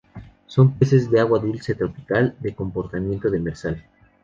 Son peces de agua dulce tropical, de comportamiento demersal.